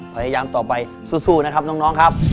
พยายามต่อไปสู้นะครับน้องครับ